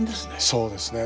そうですね。